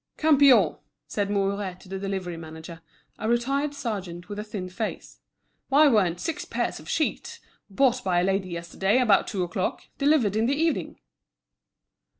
"Campion," said Mouret to the delivery manager, a retired sergeant with a thin face, "why weren't six pairs of sheets, bought by a lady yesterday about two o'clock, delivered in the evening?"